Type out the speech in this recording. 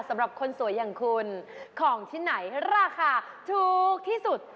สำหรับคนสวยอย่างคุณของที่ไหนราคาถูกที่สุด